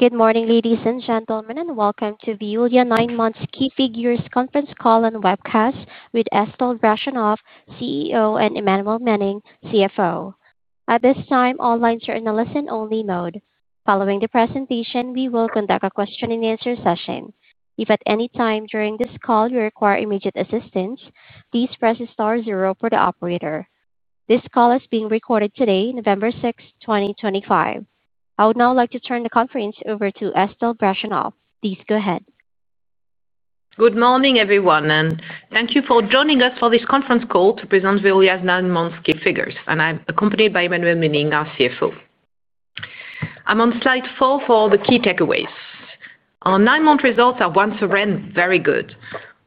Good morning, ladies and gentlemen, and welcome to Veolia Nine Months Key Figures Conference Call and Webcast with Estelle Brachlianoff, CEO, and Emmanuelle Menning, CFO. At this time, all lines are in the listen-only mode. Following the presentation, we will conduct a question-and-answer session. If at any time during this call you require immediate assistance, please press star zero for the operator. This call is being recorded today, November 6th, 2025. I would now like to turn the conference over to Estelle Brachlianoff. Please go ahead. Good morning, everyone, and thank you for joining us for this conference call to present Veolia's Nine Months Key Figures. I am accompanied by Emmanuelle Menning, our CFO. I am on slide four for the key takeaways. Our nine-month results are once again very good,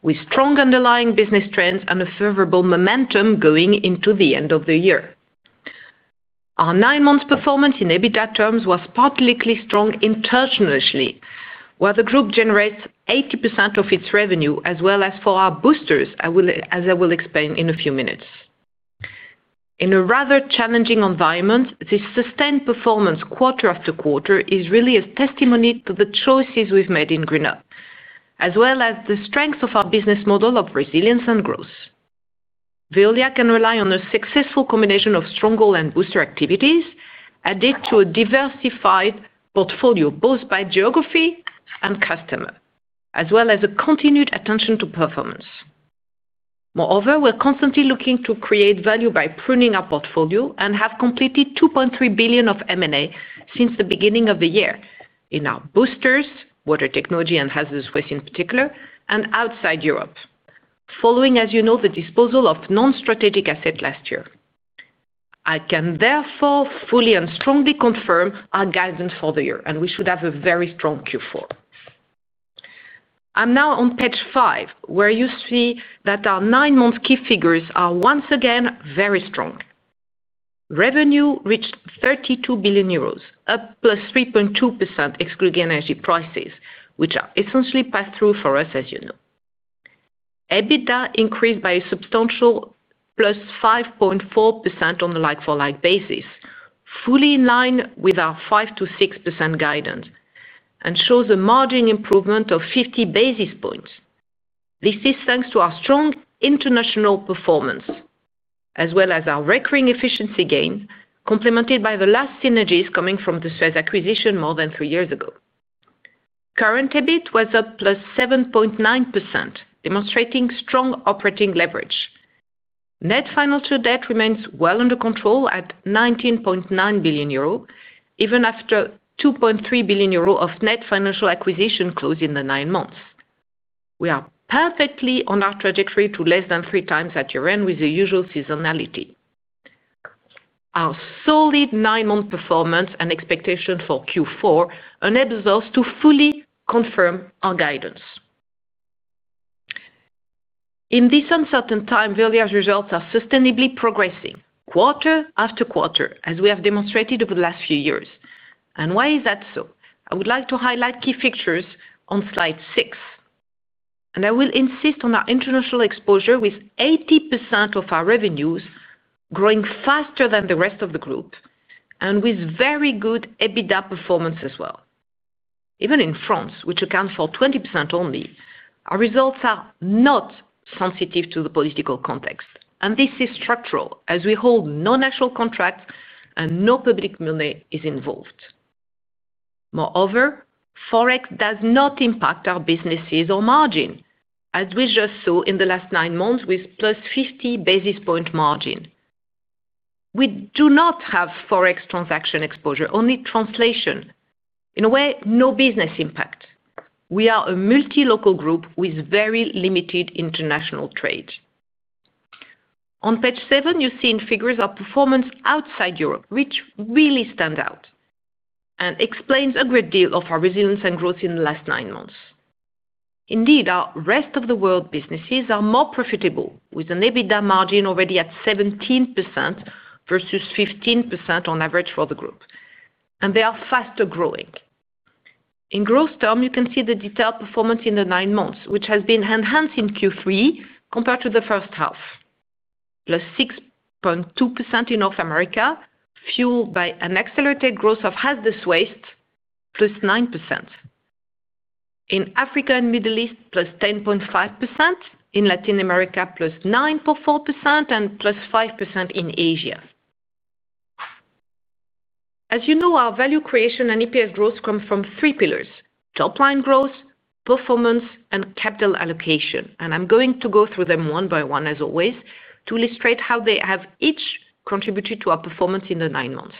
with strong underlying business trends and a favorable momentum going into the end of the year. Our nine-month performance in EBITDA terms was particularly strong internationally, where the group generates 80% of its revenue, as well as for our boosters, as I will explain in a few minutes. In a rather challenging environment, this sustained performance quarter after quarter is really a testimony to the choices we have made in Green, as well as the strength of our business model of resilience and growth. Veolia can rely on a successful combination of stronger and booster activities, added to a diversified portfolio boost by geography and customer, as well as a continued attention to performance. Moreover, we're constantly looking to create value by pruning our portfolio and have completed 2.3 billion of M&A since the beginning of the year in our boosters, water technology and hazardous waste in particular, and outside Europe, following, as you know, the disposal of non-strategic assets last year. I can therefore fully and strongly confirm our guidance for the year, and we should have a very strong Q4. I'm now on page five, where you see that our nine-month key figures are once again very strong. Revenue reached 32 billion euros, up plus 3.2% excluding energy prices, which are essentially pass-through for us, as you know. EBITDA increased by a substantial plus 5.4% on a like-for-like basis, fully in line with our 5-6% guidance, and shows a margin improvement of 50 basis points. This is thanks to our strong international performance, as well as our recurring efficiency gain, complemented by the last synergies coming from the Suez acquisition more than three years ago. Current EBIT was up plus 7.9%, demonstrating strong operating leverage. Net financial debt remains well under control at 19.9 billion euro, even after 2.3 billion euro of net financial acquisition closed in the nine months. We are perfectly on our trajectory to less than three times at year-end with the usual seasonality. Our solid nine-month performance and expectation for Q4 are needed to fully confirm our guidance. In this uncertain time, Veolia's results are sustainably progressing quarter after quarter, as we have demonstrated over the last few years. And why is that so? I would like to highlight key features on slide six. I will insist on our international exposure, with 80% of our revenues growing faster than the rest of the group, and with very good EBITDA performance as well. Even in France, which accounts for 20% only, our results are not sensitive to the political context. This is structural, as we hold no national contracts and no public money is involved. Moreover, Forex does not impact our businesses or margin, as we just saw in the last nine months with plus 50 basis point margin. We do not have Forex transaction exposure, only translation. In a way, no business impact. We are a multilocal group with very limited international trade. On page seven, you see in figures our performance outside Europe, which really stands out. That explains a great deal of our resilience and growth in the last nine months. Indeed, our rest of the world businesses are more profitable, with an EBITDA margin already at 17% versus 15% on average for the group. They are faster growing. In growth terms, you can see the detailed performance in the nine months, which has been enhanced in Q3 compared to the first half. Plus 6.2% in North America, fueled by an accelerated growth of hazardous waste, plus 9%. In Africa and the Middle East, plus 10.5%, in Latin America, plus 9.4%, and plus 5% in Asia. As you know, our value creation and EPS growth come from three pillars: top-line growth, performance, and capital allocation. I am going to go through them one by one, as always, to illustrate how they have each contributed to our performance in the nine months.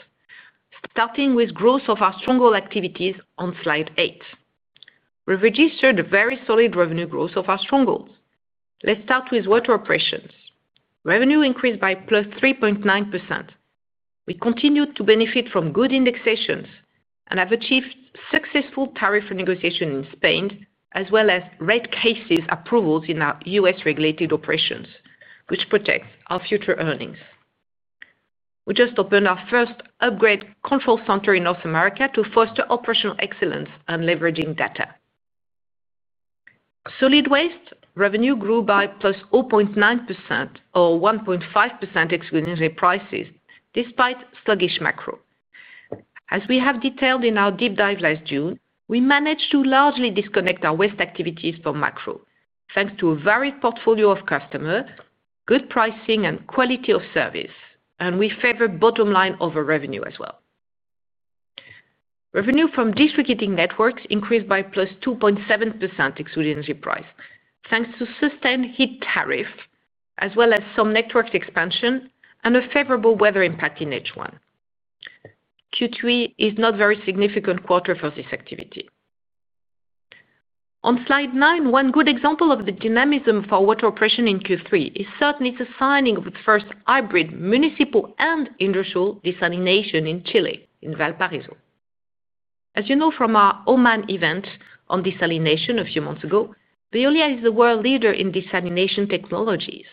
Starting with growth of our stronghold activities on slide eight. We've registered a very solid revenue growth of our strongholds. Let's start with water operations. Revenue increased by +3.9%. We continue to benefit from good indexations and have achieved successful tariff renegotiation in Spain, as well as rate cases approvals in our US-regulated operations, which protects our future earnings. We just opened our first upgrade control center in North America to foster operational excellence and leveraging data. Solid waste revenue grew by +0.9%, or 1.5% excluding prices, despite sluggish macro. As we have detailed in our deep dive last June, we managed to largely disconnect our waste activities from macro, thanks to a varied portfolio of customers, good pricing, and quality of service. We favor bottom line over revenue as well. Revenue from district heating networks increased by plus 2.7% excluding energy price, thanks to sustained heat tariffs, as well as some network expansion and a favorable weather impact in H1. Q3 is not a very significant quarter for this activity. On slide nine, one good example of the dynamism for water operation in Q3 is certainly the signing of the first hybrid municipal and industrial desalination in Chile, in Valparaiso. As you know from our OMAN event on desalination a few months ago, Veolia is the world leader in desalination technologies,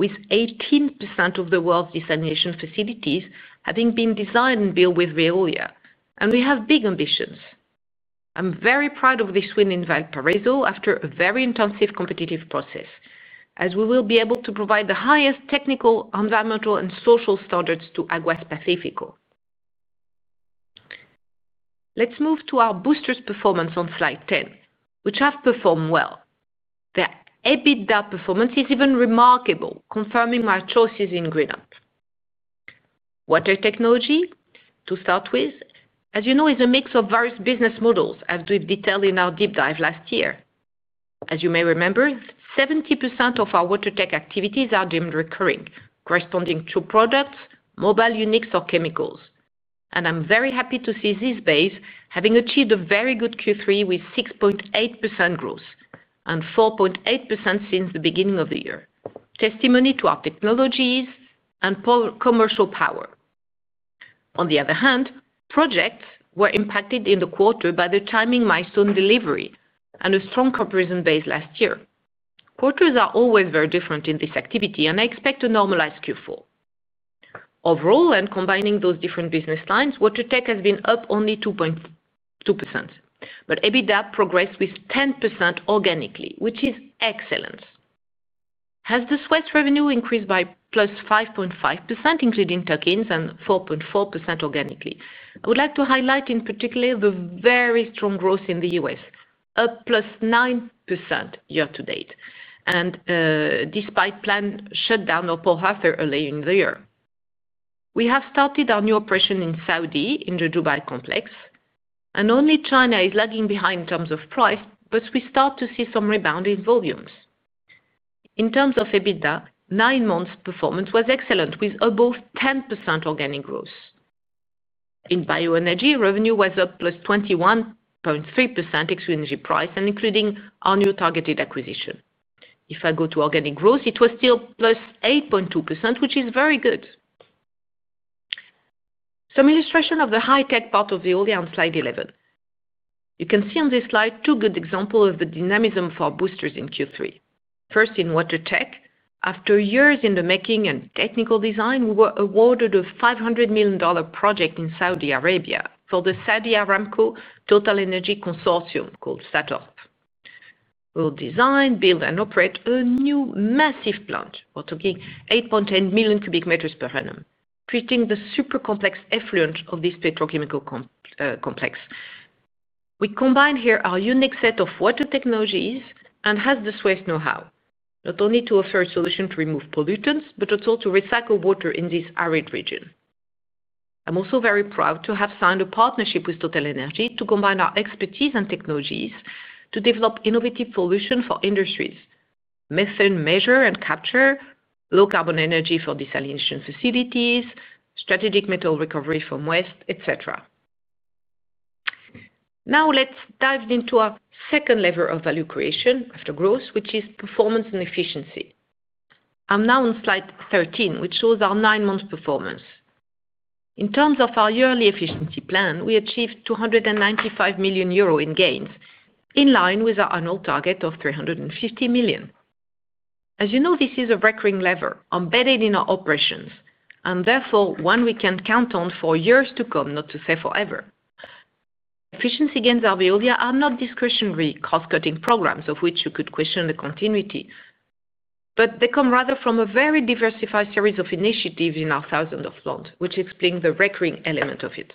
with 18% of the world's desalination facilities having been designed and built with Veolia. We have big ambitions. I'm very proud of this win in Valparaiso after a very intensive competitive process, as we will be able to provide the highest technical, environmental, and social standards to Agua Especifico. Let's move to our boosters' performance on slide 10, which have performed well. Their EBITDA performance is even remarkable, confirming our choices in Greenup. Water technology, to start with, as you know, is a mix of various business models, as we've detailed in our deep dive last year. As you may remember, 70% of our water tech activities are deemed recurring, corresponding to products, mobile units, or chemicals. And I'm very happy to see this base having achieved a very good Q3 with 6.8% growth and 4.8% since the beginning of the year, testimony to our technologies and commercial power. On the other hand, projects were impacted in the quarter by the timing milestone delivery and a strong comparison base last year. Quarters are always very different in this activity, and I expect to normalize Q4. Overall, and combining those different business lines, water tech has been up only 2.2%. EBITDA progressed with 10% organically, which is excellent. As the Suez revenue increased by 5.5%, including tokens, and 4.4% organically, I would like to highlight in particular the very strong growth in the US, up 9% year-to-date. Despite planned shutdown or poor health earlier in the year, we have started our new operation in Saudi, in the Dubai complex. Only China is lagging behind in terms of price, but we start to see some rebound in volumes. In terms of EBITDA, nine months' performance was excellent, with above 10% organic growth. In bioenergy, revenue was up 21.3% excluding energy price and including our new targeted acquisition. If I go to organic growth, it was still 8.2%, which is very good. Some illustration of the high-tech part of Veolia on slide 11. You can see on this slide two good examples of the dynamism for boosters in Q3. First, in water tech, after years in the making and technical design, we were awarded a $500 million project in Saudi Arabia for the Saudi Aramco TotalEnergies Consortium, called SatOp. We'll design, build, and operate a new massive plant, totaling 8.10 million cubic meters per annum, treating the super complex effluent of this petrochemical complex. We combine here our unique set of water technologies and hazardous waste know-how, not only to offer a solution to remove pollutants, but also to recycle water in this arid region. I'm also very proud to have signed a partnership with TotalEnergies to combine our expertise and technologies to develop innovative solutions for industries: methane measure and capture, low-carbon energy for desalination facilities, strategic metal recovery from waste, etc. Now, let's dive into our second lever of value creation after growth, which is performance and efficiency. I'm now on slide 13, which shows our nine-month performance. In terms of our yearly efficiency plan, we achieved 295 million euro in gains, in line with our annual target of 350 million. As you know, this is a recurring lever embedded in our operations, and therefore one we can count on for years to come, not to say forever. Efficiency gains at Veolia are not discretionary cost-cutting programs, of which you could question the continuity. They come rather from a very diversified series of initiatives in our thousands of plants, which explains the recurring element of it.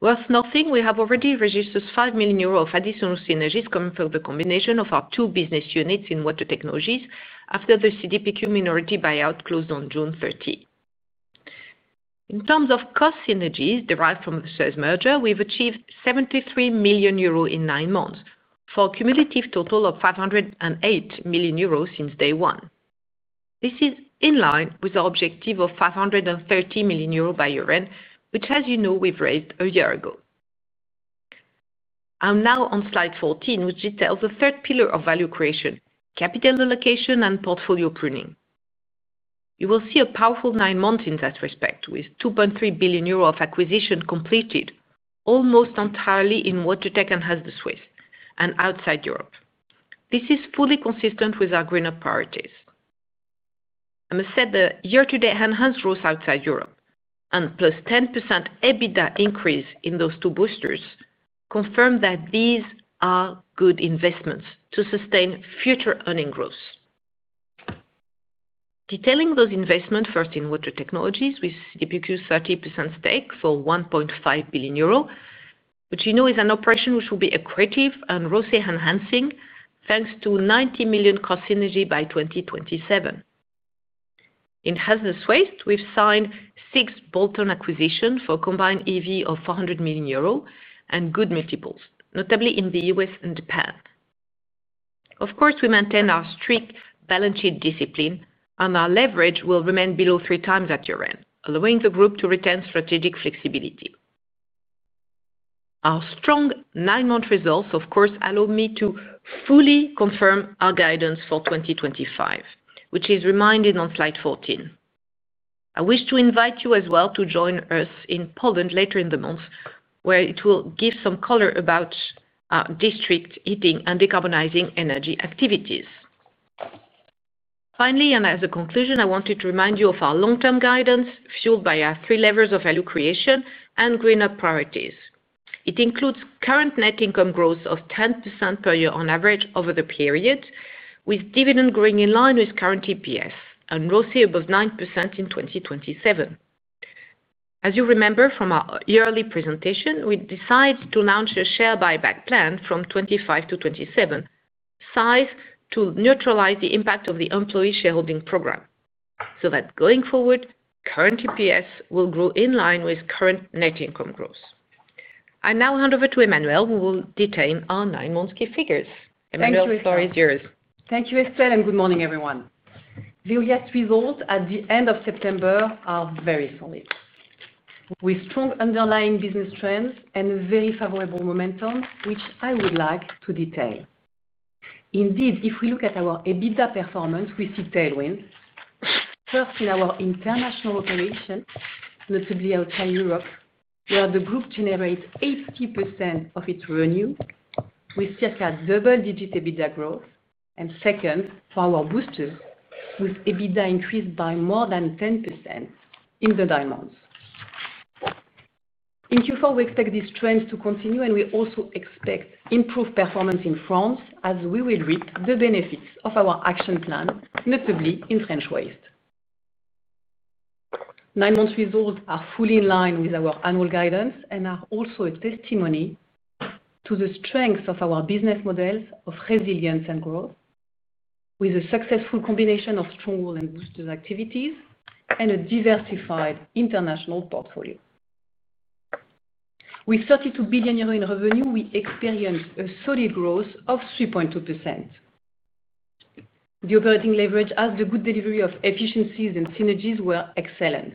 Worth noting, we have already registered 5 million euros of additional synergies coming from the combination of our two business units in water technologies after the CDPQ minority buyout closed on June 30. In terms of cost synergies derived from the Suez merger, we've achieved 73 million euros in nine months for a cumulative total of 508 million euros since day one. This is in line with our objective of 530 million euros by year-end, which, as you know, we've raised a year ago. I'm now on slide 14, which details the third pillar of value creation: capital allocation and portfolio pruning. You will see a powerful nine months in that respect, with 2.3 billion euros of acquisition completed almost entirely in water tech and hazardous waste, and outside Europe. This is fully consistent with our Greenup priorities. I must say the year-to-date enhanced growth outside Europe and plus 10% EBITDA increase in those two boosters confirm that these are good investments to sustain future earning growth. Detailing those investments, first in water technologies with CDPQ's 30% stake for 1.5 billion euro, which you know is an operation which will be accretive and rosy enhancing thanks to 90 million cost synergy by 2027. In hazardous waste, we've signed six bolt-on acquisitions for a combined EV of 400 million euros and good multiples, notably in the US and Japan. Of course, we maintain our strict balance sheet discipline, and our leverage will remain below three times that year-end, allowing the group to retain strategic flexibility. Our strong nine-month results, of course, allow me to fully confirm our guidance for 2025, which is reminded on slide 14. I wish to invite you as well to join us in Poland later in the month, where it will give some color about our district heating and decarbonizing energy activities. Finally, and as a conclusion, I wanted to remind you of our long-term guidance fueled by our three levers of value creation and Greenup priorities. It includes current net income growth of 10% per year on average over the period, with dividend growing in line with current EPS and ROIC above 9% in 2027. As you remember from our yearly presentation, we decided to launch a share buyback plan from 2025 to 2027. Sized to neutralize the impact of the employee shareholding program so that going forward, current EPS will grow in line with current net income growth. I now hand over to Emmanuelle, who will detail our nine-month key figures. Emmanuelle, the floor is yours. Thank you, Estelle, and good morning, everyone. Veolia's results at the end of September are very solid. With strong underlying business trends and a very favorable momentum, which I would like to detail. Indeed, if we look at our EBITDA performance, we see tailwinds. First, in our international operation, notably outside Europe, where the group generates 80% of its revenue, with circa double-digit EBITDA growth. Second, for our boosters, with EBITDA increased by more than 10% in the nine months. In Q4, we expect these trends to continue, and we also expect improved performance in France, as we will reap the benefits of our action plan, notably in French waste. Nine-month results are fully in line with our annual guidance and are also a testimony to the strength of our business models of resilience and growth, with a successful combination of stronghold and boosters activities and a diversified international portfolio. With 32 billion euro in revenue, we experienced a solid growth of 3.2%. The operating leverage as the good delivery of efficiencies and synergies were excellent.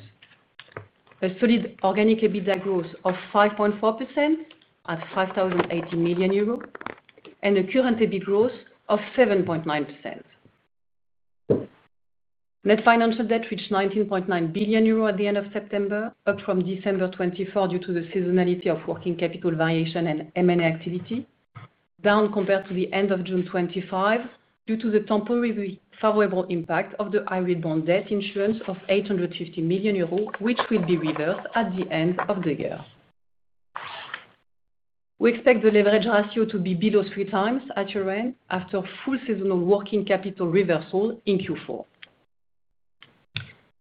A solid organic EBITDA growth of 5.4% at 5,080 million euros, and a current EBIT growth of 7.9%. Net financial debt reached 19.9 billion euro at the end of September, up from December 2024 due to the seasonality of working capital variation and M&A activity, down compared to the end of June 2025 due to the temporarily favorable impact of the hybrid bond debt insurance of 850 million euros, which will be reversed at the end of the year. We expect the leverage ratio to be below three times at year-end after full seasonal working capital reversal in Q4.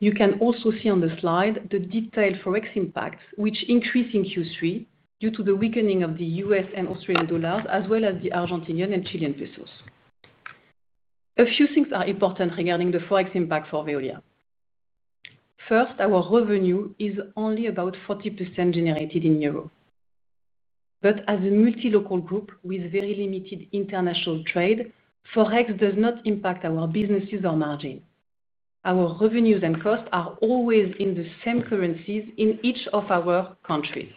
You can also see on the slide the detailed Forex impacts, which increase in Q3 due to the weakening of the US and Australian dollars, as well as the Argentinian and Chilean pesos. A few things are important regarding the Forex impact for Veolia. First, our revenue is only about 40% generated in euro. As a multilocal group with very limited international trade, Forex does not impact our businesses or margin. Our revenues and costs are always in the same currencies in each of our countries.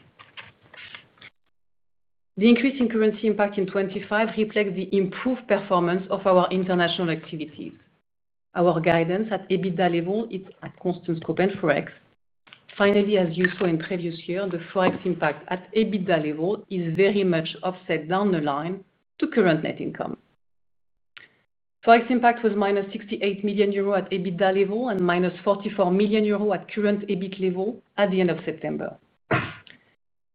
The increase in currency impact in 2025 reflects the improved performance of our international activities. Our guidance at EBITDA level is at constant scope and Forex. Finally, as you saw in previous years, the Forex impact at EBITDA level is very much offset down the line to current net income. Forex impact was 68 million euro at EBITDA level and 44 million euro at current EBIT level at the end of September.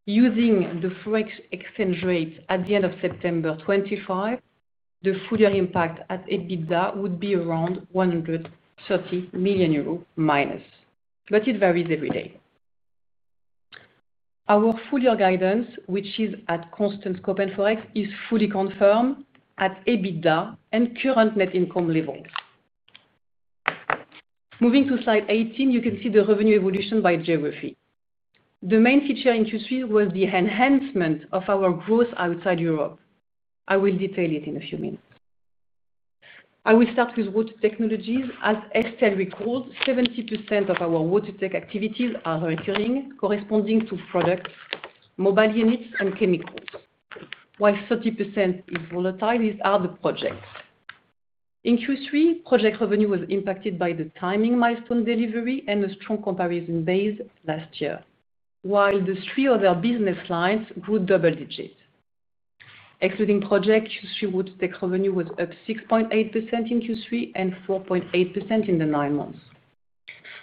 Using the Forex exchange rates at the end of September 2025, the full year impact at EBITDA would be around 130 million euros minus, but it varies every day. Our full year guidance, which is at constant scope and Forex, is fully confirmed at EBITDA and current net income levels. Moving to slide 18, you can see the revenue evolution by geography. The main feature in Q3 was the enhancement of our growth outside Europe. I will detail it in a few minutes. I will start with water technologies. As Estelle recalled, 70% of our water tech activities are recurring, corresponding to products, mobile units, and chemicals, while 30% is volatile. These are the projects. In Q3, project revenue was impacted by the timing milestone delivery and a strong comparison base last year, while the three other business lines grew double-digit. Excluding projects, Q3 water tech revenue was up 6.8% in Q3 and 4.8% in the nine months.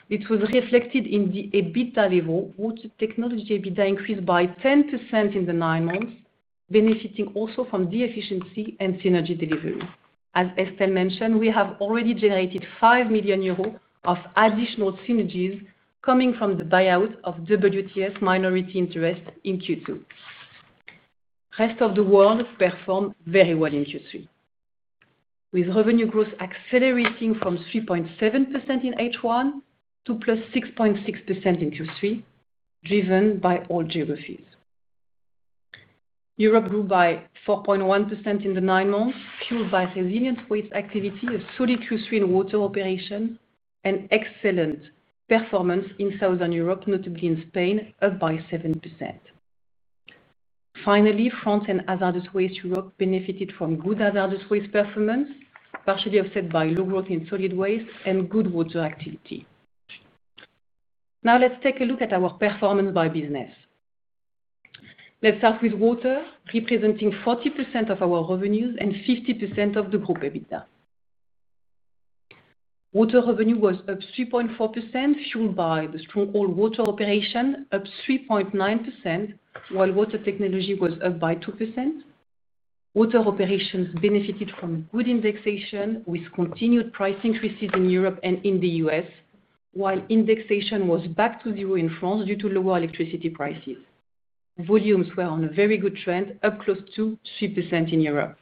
It was reflected in the EBITDA level. Water technology EBITDA increased by 10% in the nine months, benefiting also from the efficiency and synergy delivery. As Estelle mentioned, we have already generated 5 million euros of additional synergies coming from the buyout of WTS minority interest in Q2. Rest of the world performed very well in Q3. With revenue growth accelerating from 3.7% in H1 to +6.6% in Q3, driven by all geographies. Europe grew by 4.1% in the nine months, fueled by resilience with activity, a solid Q3 in water operation, and excellent performance in Southern Europe, notably in Spain, up by 7%. Finally, France and hazardous waste Europe benefited from good hazardous waste performance, partially offset by low growth in solid waste and good water activity. Now, let's take a look at our performance by business. Let's start with water, representing 40% of our revenues and 50% of the group EBITDA. Water revenue was up 3.4%, fueled by the stronghold water operation, up 3.9%, while water technology was up by 2%. Water operations benefited from good indexation with continued price increases in Europe and in the US, while indexation was back to zero in France due to lower electricity prices. Volumes were on a very good trend, up close to 3% in Europe.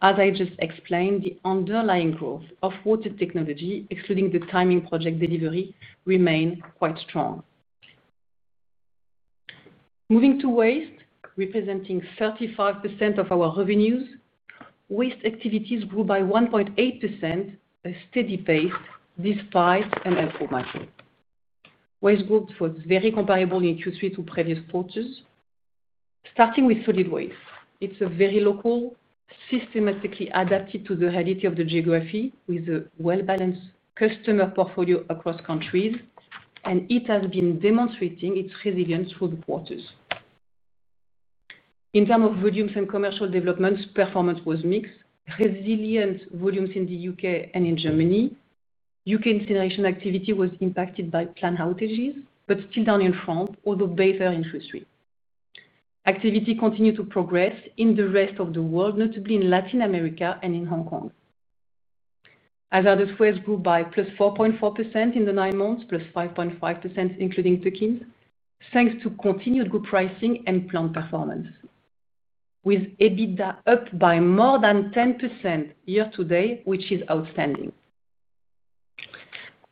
As I just explained, the underlying growth of water technology, excluding the timing project delivery, remained quite strong. Moving to waste, representing 35% of our revenues, waste activities grew by 1.8%, a steady pace, despite an output margin. Waste growth was very comparable in Q3 to previous quarters. Starting with solid waste, it's a very local, systematically adapted to the reality of the geography, with a well-balanced customer portfolio across countries, and it has been demonstrating its resilience through the quarters. In terms of volumes and commercial developments, performance was mixed. Resilient volumes in the U.K. and in Germany. U.K. incineration activity was impacted by plant outages, but still down in France, although better in Q3. Activity continued to progress in the rest of the world, notably in Latin America and in Hong Kong. Hazardous waste grew by +4.4% in the nine months, +5.5%, including tickings, thanks to continued good pricing and plant performance. With EBITDA up by more than 10% year-to-date, which is outstanding.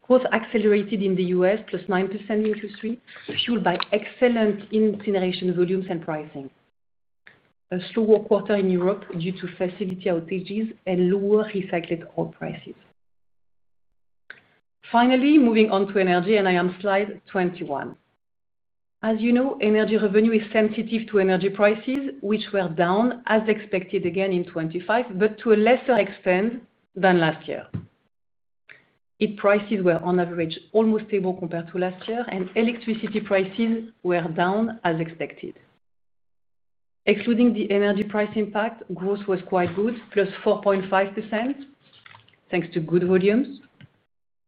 Growth accelerated in the U.S., +9% in Q3, fueled by excellent incineration volumes and pricing. A slower quarter in Europe due to facility outages and lower recycled oil prices. Finally, moving on to energy and I am slide 21. As you know, energy revenue is sensitive to energy prices, which were down, as expected, again in 2025, but to a lesser extent than last year. Heat prices were, on average, almost stable compared to last year, and electricity prices were down, as expected. Excluding the energy price impact, growth was quite good, plus 4.5%. Thanks to good volumes,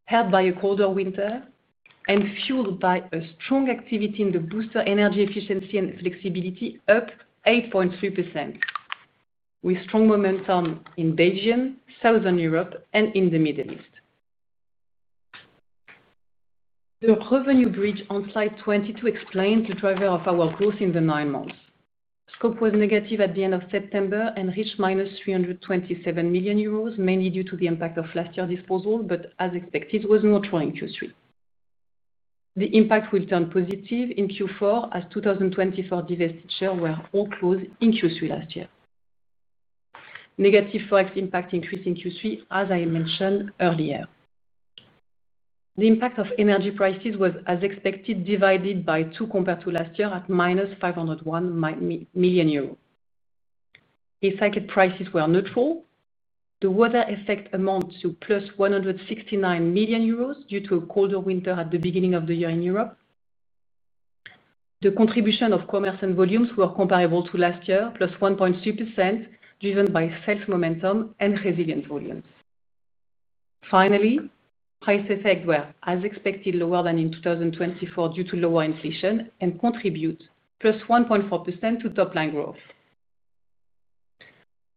paired by a colder winter and fueled by a strong activity in the booster energy efficiency and flexibility, up 8.3%, with strong momentum in Belgium, Southern Europe, and in the Middle East. The revenue bridge on slide 22 explains the driver of our growth in the nine months. Scope was negative at the end of September and reached minus 327 million euros, mainly due to the impact of last year's disposal, but as expected, it was not showing in Q3. The impact will turn positive in Q4, as 2024 divestitures were all closed in Q3 last year. Negative Forex impact increased in Q3, as I mentioned earlier. The impact of energy prices was, as expected, divided by two compared to last year at minus 501 million euros. Recycled prices were neutral. The water effect amounted to plus 169 million euros due to a colder winter at the beginning of the year in Europe. The contribution of commerce and volumes were comparable to last year, plus 1.2%, driven by sales momentum and resilience volumes. Finally, price effects were, as expected, lower than in 2024 due to lower inflation and contribute plus 1.4% to top-line growth.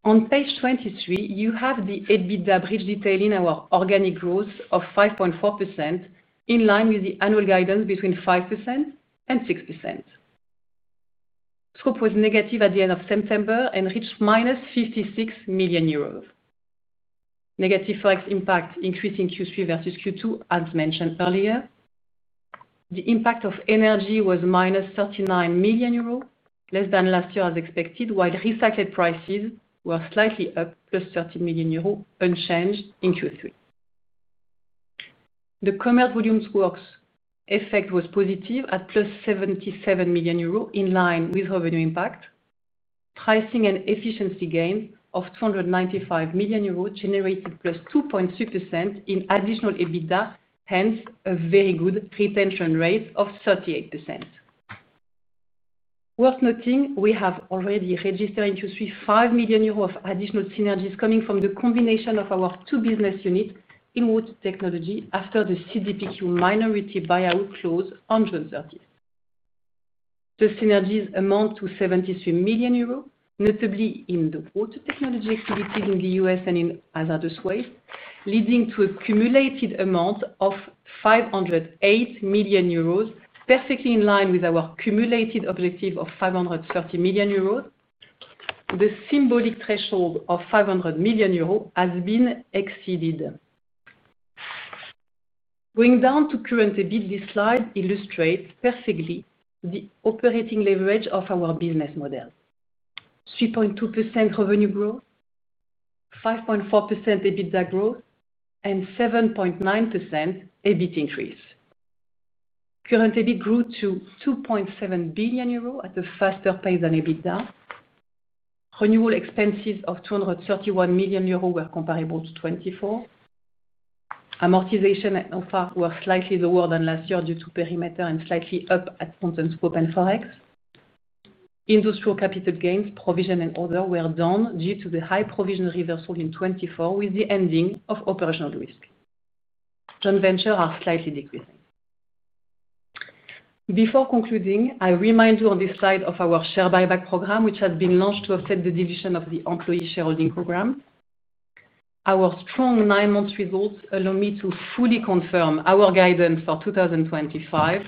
On page 23, you have the EBITDA bridge detailing our organic growth of 5.4% in line with the annual guidance between 5% and 6%. Scope was negative at the end of September and reached minus 56 million euros. Negative Forex impact increased in Q3 versus Q2, as mentioned earlier. The impact of energy was minus 39 million euros, less than last year, as expected, while recycled prices were slightly up, plus 30 million euros unchanged in Q3. The commerce volumes growth effect was positive at plus 77 million euros in line with revenue impact. Pricing and efficiency gain of 295 million euros generated plus 2.2% in additional EBITDA, hence a very good retention rate of 38%. Worth noting, we have already registered in Q3 5 million euros of additional synergies coming from the combination of our two business units in water technology after the CDPQ minority buyout closed on June 30. The synergies amount to 73 million euros, notably in the water technology activities in the US and in hazardous waste, leading to a cumulated amount of 508 million euros, perfectly in line with our cumulated objective of 530 million euros. The symbolic threshold of 500 million euros has been exceeded. Going down to current EBIT, this slide illustrates perfectly the operating leverage of our business models: 3.2% revenue growth, 5.4% EBITDA growth, and 7.9% EBIT increase. Current EBIT grew to 2.7 billion euros at a faster pace than EBITDA. Renewal expenses of 231 million euros were comparable to 2024. Amortization and OFAR were slightly lower than last year due to perimeter and slightly up at constant scope and Forex. Industrial capital gains, provision, and other were down due to the high provision reversal in 2024, with the ending of operational risk. Joint ventures are slightly decreasing. Before concluding, I remind you on this slide of our share buyback program, which has been launched to offset the division of the employee shareholding program. Our strong nine-month results allow me to fully confirm our guidance for 2025.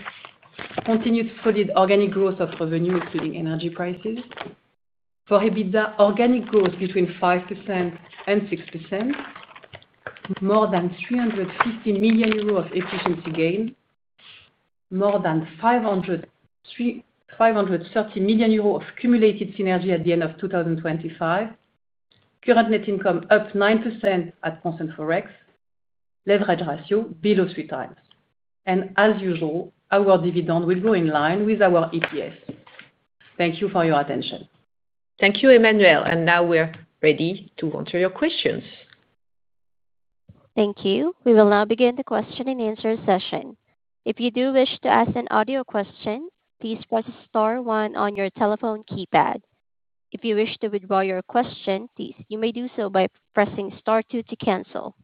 Continued solid organic growth of revenue, including energy prices. For EBITDA, organic growth between 5% and 6%. More than 350 million euros of efficiency gain. More than 530 million euros of cumulated synergy at the end of 2025. Current net income up 9% at constant Forex. Leverage ratio below 3 times. As usual, our dividend will go in line with our EPS. Thank you for your attention. Thank you, Emmanuelle. Now we're ready to answer your questions. Thank you. We will now begin the question and answer session. If you do wish to ask an audio question, please press star one on your telephone keypad. If you wish to withdraw your question, you may do so by pressing star two to cancel.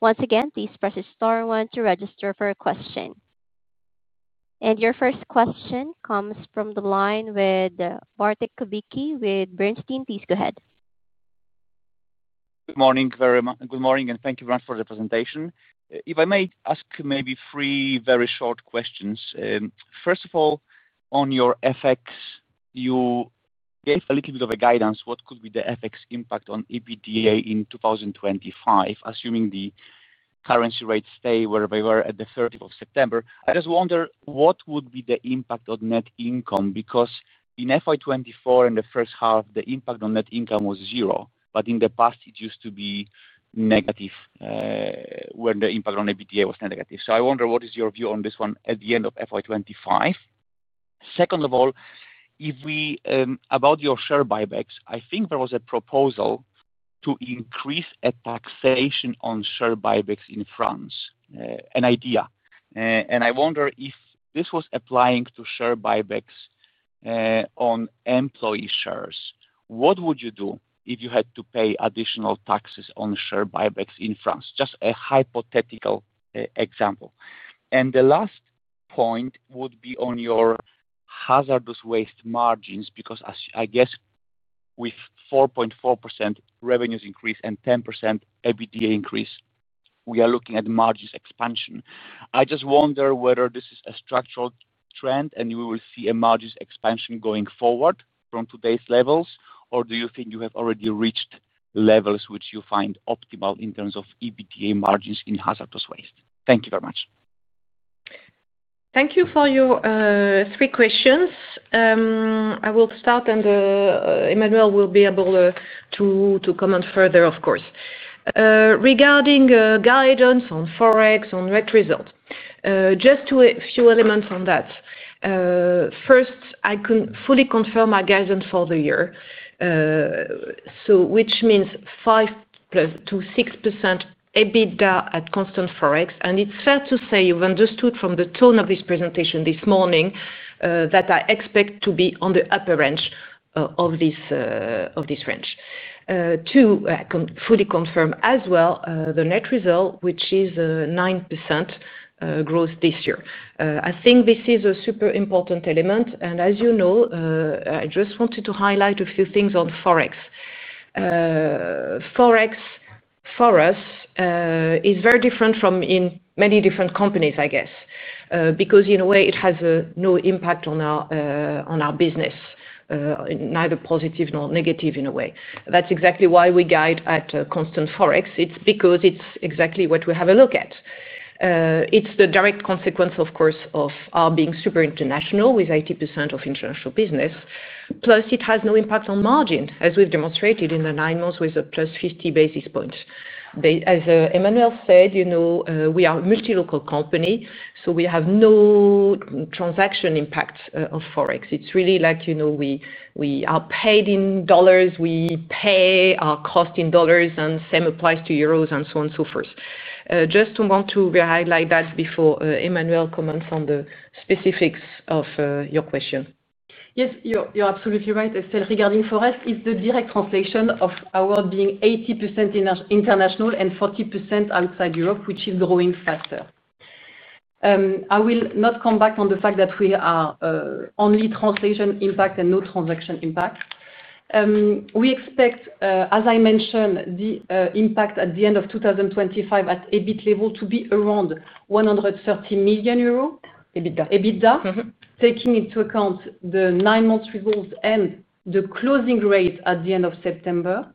Once again, please press star 1 to register for a question. Your first question comes from the line with Bartłomiej Kubicki with Bernstein. Please go ahead. Good morning, Claire. Good morning, and thank you very much for the presentation. If I may ask maybe three very short questions. First of all, on your FX, you gave a little bit of a guidance. What could be the FX impact on EBITDA in 2025, assuming the currency rates stay where they were at the 30th of September? I just wonder what would be the impact on net income because in FY 2024 and the first half, the impact on net income was zero, but in the past, it used to be negative. When the impact on EBITDA was negative. I wonder what is your view on this one at the end of FY 2025? Second of all, if we about your share buybacks, I think there was a proposal to increase a taxation on share buybacks in France, an idea. I wonder if this was applying to share buybacks. On employee shares, what would you do if you had to pay additional taxes on share buybacks in France? Just a hypothetical example. The last point would be on your hazardous waste margins because I guess with 4.4% revenues increase and 10% EBITDA increase, we are looking at margins expansion. I just wonder whether this is a structural trend and we will see a margins expansion going forward from today's levels, or do you think you have already reached levels which you find optimal in terms of EBITDA margins in hazardous waste? Thank you very much. Thank you for your three questions. I will start, and Emmanuelle will be able to comment further, of course. Regarding guidance on Forex, on net result, just a few elements on that. First, I could not fully confirm my guidance for the year. Which means 5%-6% EBITDA at constant Forex. It is fair to say you have understood from the tone of this presentation this morning that I expect to be on the upper range of this range. Two, I can fully confirm as well the net result, which is a 9% growth this year. I think this is a super important element. As you know, I just wanted to highlight a few things on Forex. Forex for us is very different from in many different companies, I guess, because in a way, it has no impact on our business, neither positive nor negative in a way. That is exactly why we guide at constant Forex. It is because it is exactly what we have a look at. It is the direct consequence, of course, of our being super international with 80% of international business. Plus, it has no impact on margin, as we've demonstrated in the nine months with a plus 50 basis point. As Emmanuelle said, we are a multilocal company, so we have no transaction impact of Forex. It's really like we are paid in dollars. We pay our cost in dollars, and same applies to euros and so on and so forth. Just want to highlight that before Emmanuelle comments on the specifics of your question. Yes, you're absolutely right. Regarding Forex, it's the direct translation of our being 80% international and 40% outside Europe, which is growing faster. I will not come back on the fact that we are only translation impact and no transaction impact. We expect, as I mentioned, the impact at the end of 2025 at EBIT level to be around 130 million euro. EBITDA, taking into account the nine-month results and the closing rate at the end of September.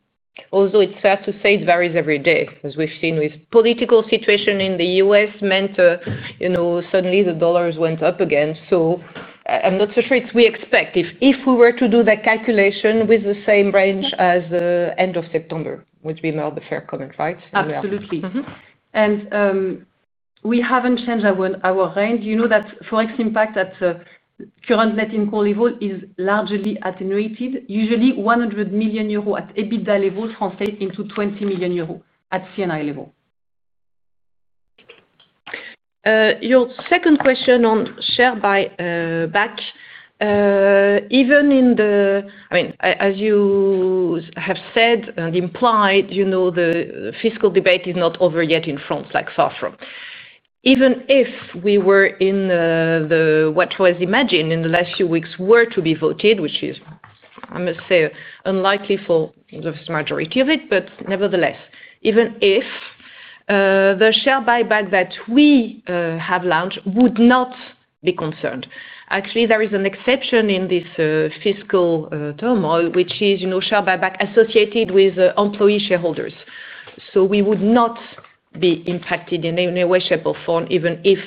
Although it's fair to say it varies every day, as we've seen with the political situation in the U.S. meant. Suddenly the dollars went up again. I'm not so sure it's we expect. If we were to do the calculation with the same range as the end of September, which we made the fair comment, right? Absolutely. We haven't changed our range. You know that Forex impact at the current net income level is largely attenuated. Usually, 100 million euro at EBITDA level translates into 20 million euro at CNI level. Your second question on share buyback. Even in the, I mean, as you have said and implied, the fiscal debate is not over yet in France, like far from. Even if what was imagined in the last few weeks were to be voted, which is, I must say, unlikely for the majority of it, nevertheless, even if. The share buyback that we have launched would not be concerned. Actually, there is an exception in this fiscal turmoil, which is share buyback associated with employee shareholders. We would not be impacted in any way, shape, or form, even if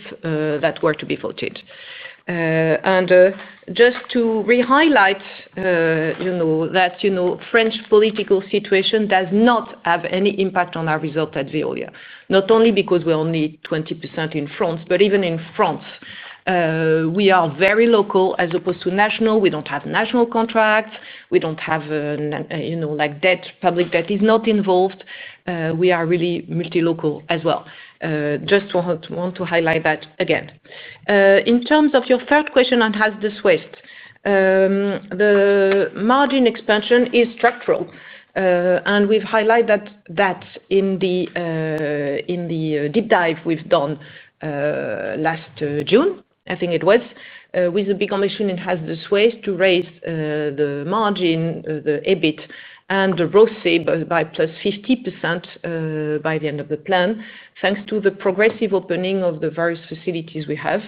that were to be voted. Just to re-highlight, that French political situation does not have any impact on our result at Veolia, not only because we are only 20% in France, but even in France, we are very local as opposed to national. We do not have national contracts. We do not have debt. Public debt is not involved. We are really multilocal as well. Just want to highlight that again. In terms of your third question on hazardous waste. The margin expansion is structural. And we've highlighted that in the deep dive we've done last June, I think it was, with the big ambition in hazardous waste to raise the margin, the EBIT, and the gross EBIT by plus 50% by the end of the plan, thanks to the progressive opening of the various facilities we have.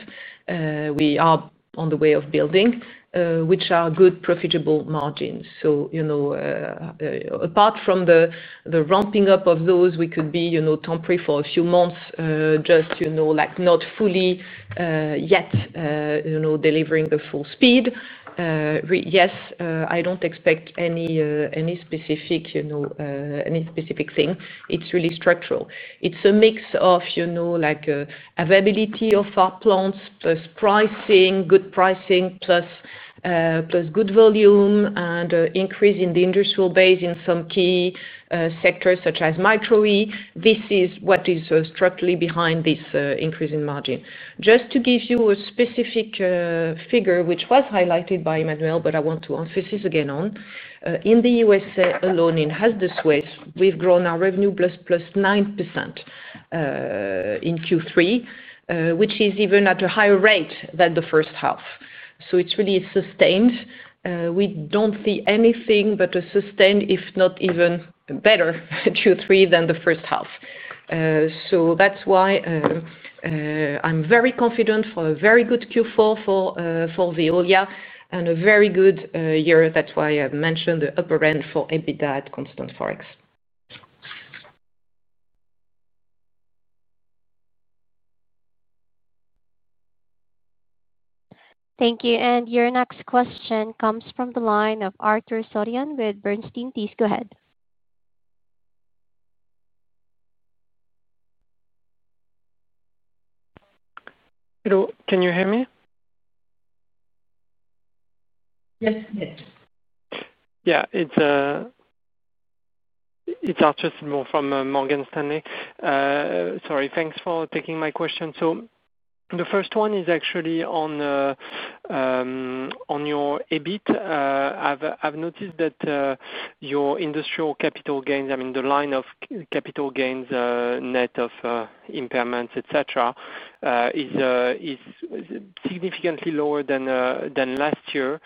We are on the way of building, which are good, profitable margins. Apart from the ramping up of those, which could be temporary for a few months, just not fully yet delivering the full speed. Yes, I don't expect any specific thing. It's really structural. It's a mix of availability of our plants, plus pricing, good pricing, plus good volume, and increase in the industrial base in some key sectors such as micro-E. This is what is structurally behind this increase in margin. Just to give you a specific figure, which was highlighted by Emmanuelle, but I want to emphasize again, in the US alone, in hazardous waste, we've grown our revenue plus 9%. In Q3, which is even at a higher rate than the first half. It is really sustained. We do not see anything but a sustained, if not even better, Q3 than the first half. That is why I am very confident for a very good Q4 for Veolia and a very good year. That is why I mentioned the upper end for EBITDA at constant Forex. Thank you. Your next question comes from the line of Álvaro Soriano with Bernstein. Please go ahead. Hello. Can you hear me? Yes, yes. Yeah. It is Arthur Sitbon from Morgan Stanley. Sorry. Thanks for taking my question. The first one is actually on. Your EBIT. I've noticed that. Your industrial capital gains, I mean, the line of capital gains, net of impairments, etc., is significantly lower than last year,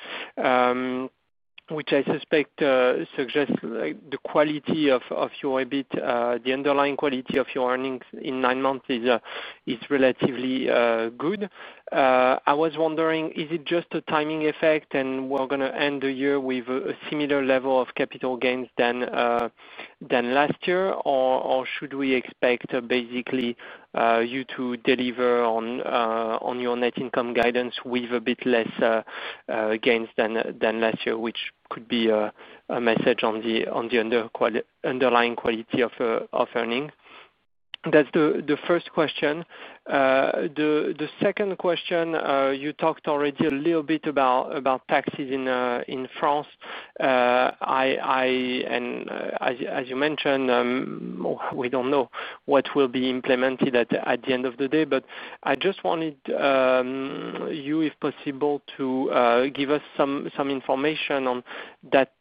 which I suspect suggests the quality of your EBIT, the underlying quality of your earnings in nine months, is relatively good. I was wondering, is it just a timing effect and we're going to end the year with a similar level of capital gains than last year, or should we expect basically you to deliver on your net income guidance with a bit less gains than last year, which could be a message on the underlying quality of earning? That's the first question. The second question, you talked already a little bit about taxes in France. As you mentioned, we don't know what will be implemented at the end of the day. I just wanted. You, if possible, to give us some information on that.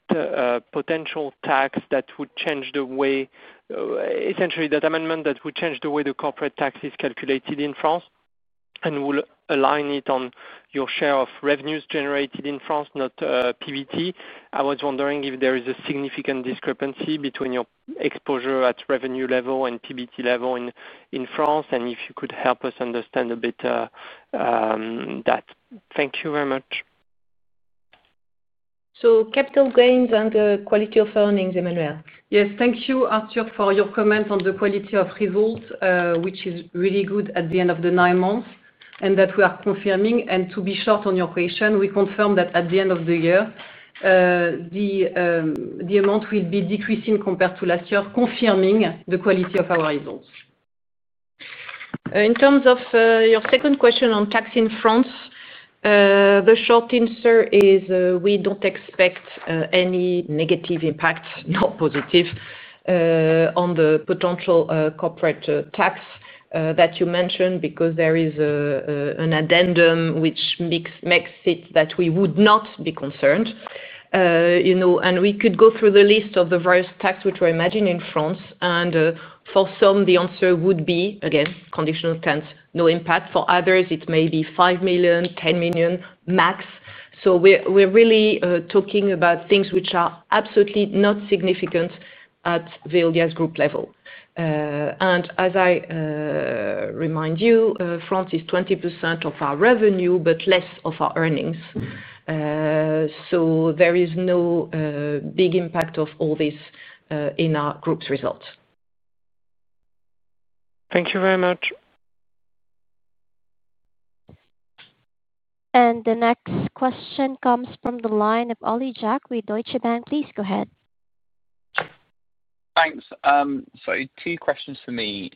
Potential tax that would change the way. Essentially, that amendment that would change the way the corporate tax is calculated in France and will align it on your share of revenues generated in France, not PBT. I was wondering if there is a significant discrepancy between your exposure at revenue level and PBT level in France, and if you could help us understand a bit. That. Thank you very much. So capital gains and the quality of earnings, Emmanuelle. Yes. Thank you, Arthur, for your comment on the quality of results, which is really good at the end of the nine months, and that we are confirming. To be short on your question, we confirm that at the end of the year, the amount will be decreasing compared to last year, confirming the quality of our results. In terms of your second question on tax in France. The short answer is we do not expect any negative impact, not positive. On the potential corporate tax that you mentioned because there is an addendum which makes it that we would not be concerned. We could go through the list of the various tax which we are imagining in France. For some, the answer would be, again, conditional tense, no impact. For others, it may be 5 million, 10 million max. We are really talking about things which are absolutely not significant at Veolia's group level. As I remind you, France is 20% of our revenue, but less of our earnings. There is no big impact of all this in our group's results. Thank you very much. The next question comes from the line of Olly Jeff with Deutsche Bank. Please go ahead. Thanks. Two questions for me.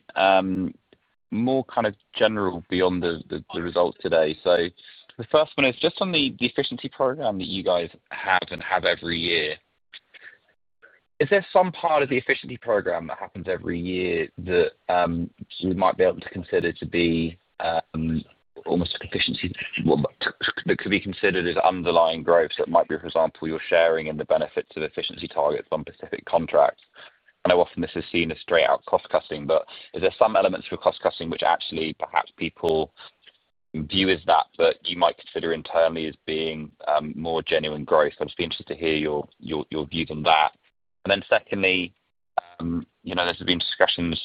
More kind of general beyond the results today. The first one is just on the efficiency program that you guys have and have every year. Is there some part of the efficiency program that happens every year that you might be able to consider to be almost efficiency that could be considered as underlying growth that might be, for example, your sharing in the benefits of efficiency targets on specific contracts? I know often this is seen as straight-out cost-cutting, but is there some elements of cost-cutting which actually perhaps people view as that, but you might consider internally as being more genuine growth? I'd just be interested to hear your views on that. Secondly, there's been discussions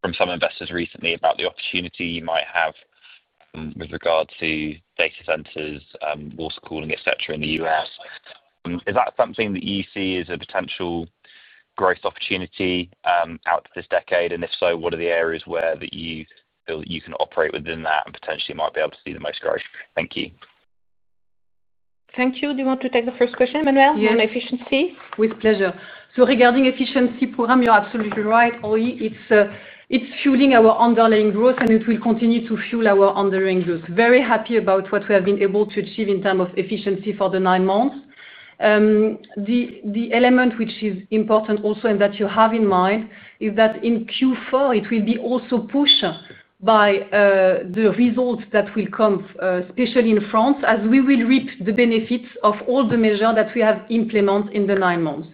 from some investors recently about the opportunity you might have with regard to data centers, water cooling, etc., in the US. Is that something that you see as a potential growth opportunity out this decade? And if so, what are the areas where you feel that you can operate within that and potentially might be able to see the most growth? Thank you. Thank you. Do you want to take the first question, Emmanuelle, on efficiency? Yes. With pleasure. So regarding efficiency program, you're absolutely right, Ollie. It's fueling our underlying growth, and it will continue to fuel our underlying growth. Very happy about what we have been able to achieve in terms of efficiency for the nine months. The element which is important also and that you have in mind is that in Q4, it will be also pushed by the results that will come, especially in France, as we will reap the benefits of all the measures that we have implemented in the nine months.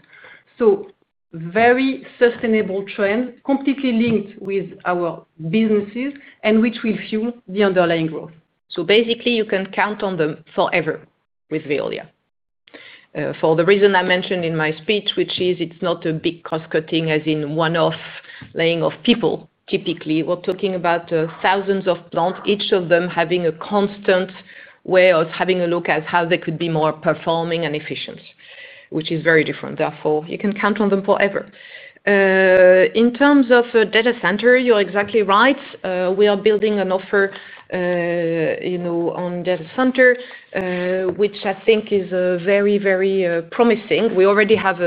Very sustainable trend, completely linked with our businesses, and which will fuel the underlying growth. You can count on them forever with Veolia. For the reason I mentioned in my speech, which is it's not a big cost-cutting as in one-off laying of people. Typically, we're talking about thousands of plants, each of them having a constant way of having a look at how they could be more performing and efficient, which is very different. Therefore, you can count on them forever. In terms of data center, you're exactly right. We are building an offer on data center, which I think is very, very promising. We already have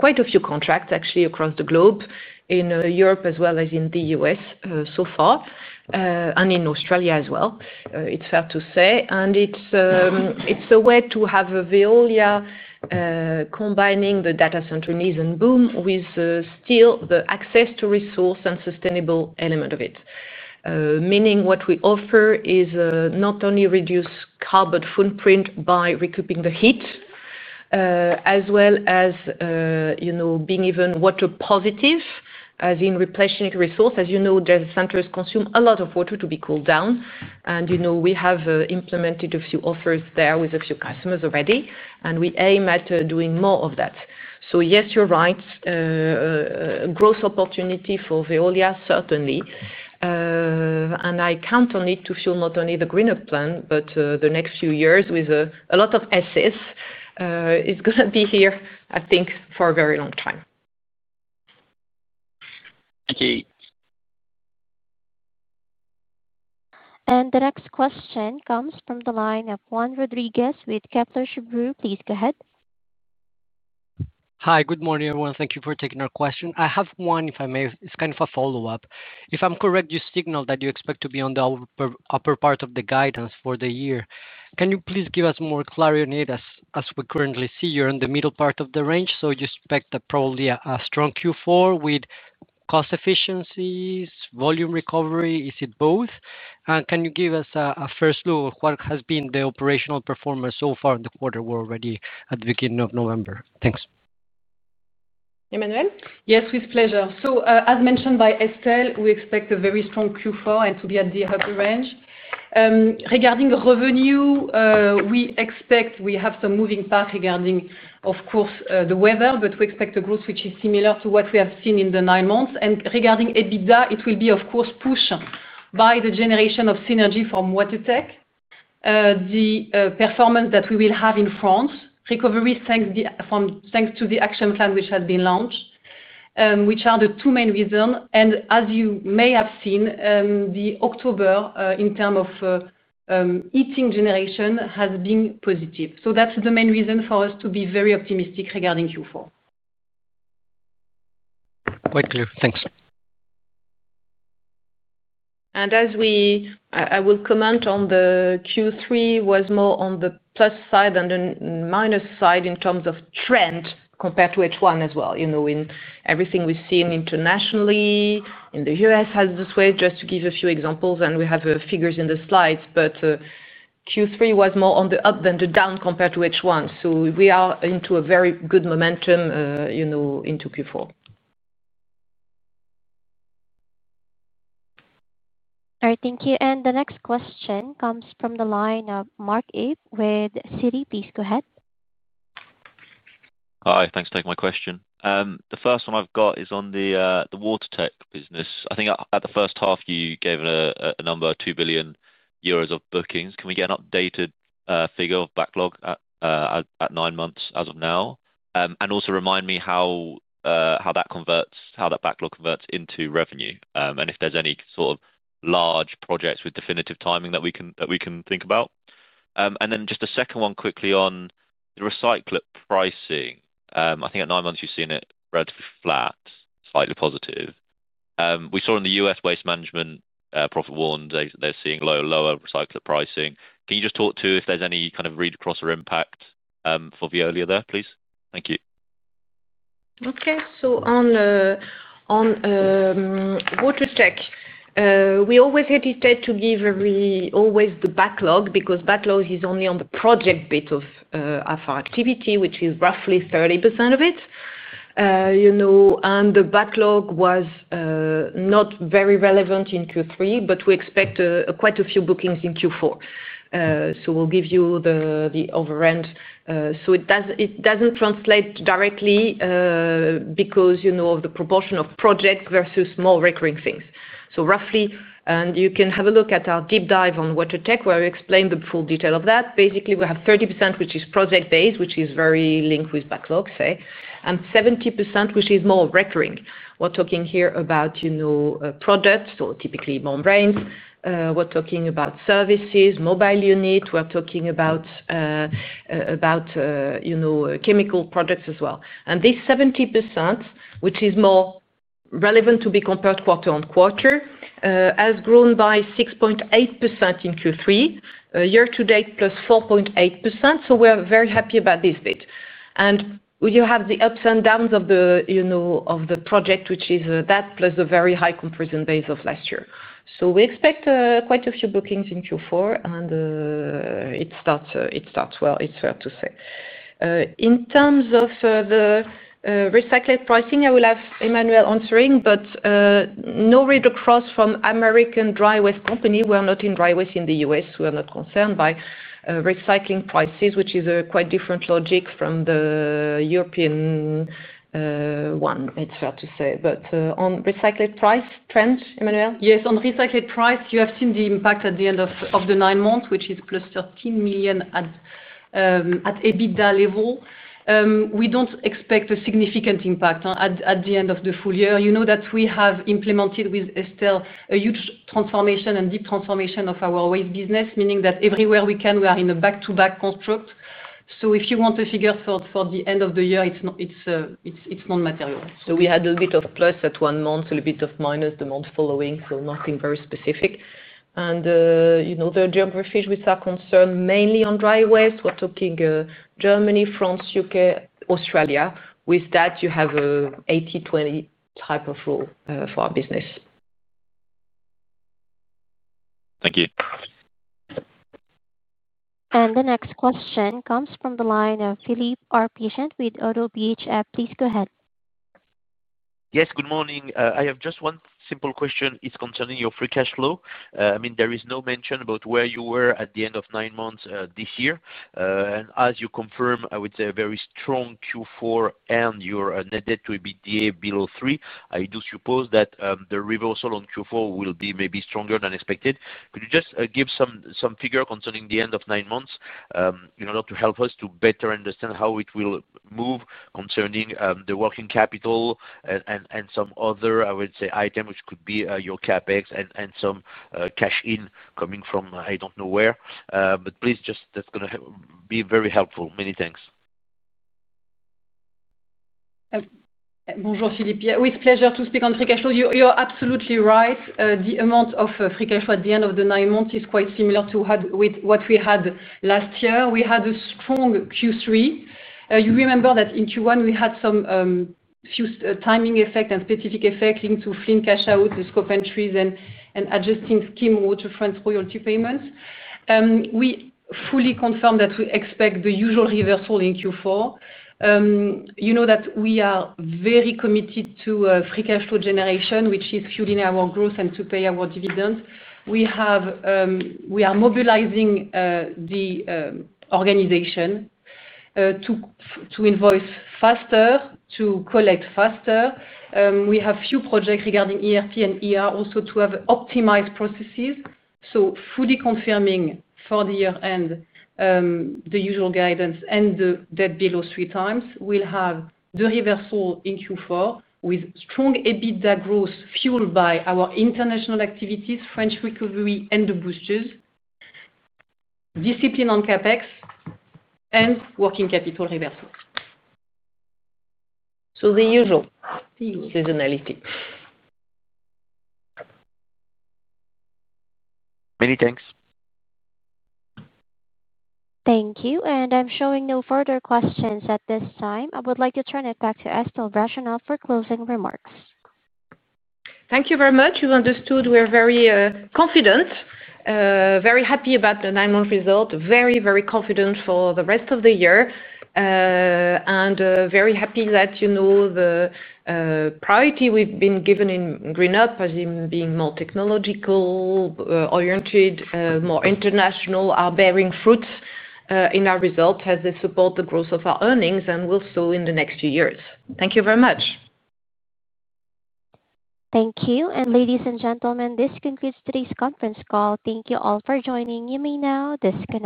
quite a few contracts, actually, across the globe, in Europe as well as in the US so far. In Australia as well, it's fair to say. It's a way to have Veolia. Combining the data center needs and boom with still the access to resource and sustainable element of it. Meaning what we offer is not only reduce carbon footprint by recouping the heat, as well as being even water positive, as in replenishing resource. As you know, data centers consume a lot of water to be cooled down. And we have implemented a few offers there with a few customers already. We aim at doing more of that. Yes, you're right. Growth opportunity for Veolia, certainly. I count on it to fuel not only the greener plan, but the next few years with a lot of assets. It's going to be here, I think, for a very long time. Thank you. The next question comes from the line of Juan Rodriguez with Kepler Cheuvreux. Please go ahead. Hi. Good morning, everyone. Thank you for taking our question. I have one, if I may. It's kind of a follow-up. If I'm correct, you signaled that you expect to be on the upper part of the guidance for the year. Can you please give us more clarity on it as we currently see you're in the middle part of the range? You expect probably a strong Q4 with cost efficiencies, volume recovery? Is it both? Can you give us a first look of what has been the operational performance so far in the quarter? We're already at the beginning of November. Thanks. Emmanuelle? Yes, with pleasure. As mentioned by Estelle, we expect a very strong Q4 and to be at the upper range. Regarding revenue, we expect we have some moving path regarding, of course, the weather, but we expect a growth which is similar to what we have seen in the nine months. Regarding EBITDA, it will be, of course, pushed by the generation of synergy from water tech. The performance that we will have in France, recovery thanks to the action plan which has been launched, which are the two main reasons. As you may have seen, October, in terms of heating generation, has been positive. That is the main reason for us to be very optimistic regarding Q4. Quite clear. Thanks. As I will comment on the Q3, it was more on the plus side than the minus side in terms of trend compared to H1 as well. In everything we have seen internationally, in the US, hazardous waste, just to give a few examples, and we have figures in the slides, but Q3 was more on the up than the down compared to H1. We are into a very good momentum into Q4. All right. Thank you. The next question comes from the line of Mark Abe with Citi. Please go ahead. Hi. Thanks for taking my question. The first one I've got is on the water tech business. I think at the first half, you gave a number of 2 billion euros of bookings. Can we get an updated figure of backlog at nine months as of now? And also remind me how that backlog converts into revenue, and if there's any sort of large projects with definitive timing that we can think about. Just a second one quickly on the recycled pricing. I think at nine months, you've seen it relatively flat, slightly positive. We saw in the US waste management profit warned they're seeing lower recycled pricing. Can you just talk to if there's any kind of read across or impact for Veolia there, please? Thank you. Okay. On.Water tech, we always hesitate to give always the backlog because backlog is only on the project bit of our activity, which is roughly 30% of it. The backlog was not very relevant in Q3, but we expect quite a few bookings in Q4. We will give you the overrand. It does not translate directly because of the proportion of projects versus more recurring things. Roughly, and you can have a look at our deep dive on water tech, where I explain the full detail of that. Basically, we have 30%, which is project-based, which is very linked with backlog, say, and 70%, which is more recurring. We are talking here about products, so typically membranes. We are talking about services, mobile unit. We are talking about chemical products as well. This 70%, which is more relevant to be compared quarter on quarter, has grown by 6.8% in Q3, year-to-date plus 4.8%. We are very happy about this bit. You have the ups and downs of the project, which is that plus the very high comparison base of last year. We expect quite a few bookings in Q4. It starts well. It is fair to say. In terms of the recycled pricing, I will have Emmanuelle answering, but no read across from American dry waste company. We are not in dry waste in the US. We are not concerned by recycling prices, which is a quite different logic from the European one, it is fair to say. On recycled price trend, Emmanuelle? Yes. On recycled price, you have seen the impact at the end of the nine months, which is plus 13 million at EBITDA level. We do not expect a significant impact at the end of the full year. You know that we have implemented with Estelle a huge transformation and deep transformation of our waste business, meaning that everywhere we can, we are in a back-to-back construct. If you want a figure for the end of the year, it is non-material. We had a little bit of plus at one month, a little bit of minus the month following, nothing very specific. The geographies which are concerned mainly on dry waste, we are talking Germany, France, U.K., Australia. With that, you have an 80/20 type of rule for our business. Thank you. The next question comes from the line of Philippe Ourpatian with ODDO BHF. Please go ahead. Yes. Good morning. I have just one simple question. It is concerning your free cash flow. I mean, there is no mention about where you were at the end of nine months this year. As you confirm, I would say a very strong Q4, and you are netted to EBITDA below 3. I do suppose that the reversal on Q4 will be maybe stronger than expected. Could you just give some figure concerning the end of nine months in order to help us to better understand how it will move concerning the working capital. Some other, I would say, items, which could be your CapEx and some cash in coming from I do not know where. Please, just that is going to be very helpful. Many thanks. Bonjour, Philippe. Oui, it is a pleasure to speak on free cash flow. You are absolutely right. The amount of free cash flow at the end of the nine months is quite similar to what we had last year. We had a strong Q3. You remember that in Q1, we had some timing effects and specific effects linked to fleeing cash out, scope entries, and adjusting scheme water fronts royalty payments. We fully confirm that we expect the usual reversal in Q4. You know that we are very committed to free cash flow generation, which is fueling our growth and to pay our dividends. We are mobilizing the organization to invoice faster, to collect faster. We have few projects regarding ERP and also to have optimized processes. Fully confirming for the year-end the usual guidance and the debt below 3x, we will have the reversal in Q4 with strong EBITDA growth fueled by our international activities, French recovery, and the boosters. Discipline on CapEx and working capital reversal. The usual seasonality. Many thanks. Thank you. I am showing no further questions at this time. I would like to turn it back to Estelle Brachlianoff for closing remarks. Thank you very much. You understood. We're very confident. Very happy about the nine-month result, very, very confident for the rest of the year. Very happy that the priority we've been given in GreenUp as in being more technological, oriented, more international, are bearing fruits in our results as they support the growth of our earnings and will so in the next few years. Thank you very much. Thank you. Ladies and gentlemen, this concludes today's conference call. Thank you all for joining. You may now disconnect.